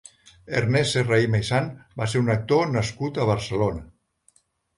Ernest Serrahima i Sant va ser un actor nascut a Barcelona.